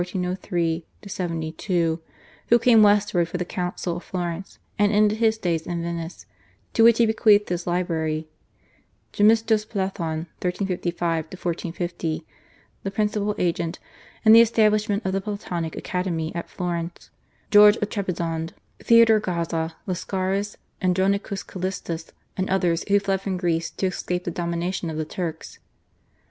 72) who came westward for the Council of Florence and ended his days in Venice to which he bequeathed his library, Gemistos Plethon (1355 1450) the principal agent in the establishment of the Platonic academy at Florence, George of Trebizond, Theodore Gaza, Lascaris, Andronicus Callistus, and others who fled from Greece to escape the domination of the Turks.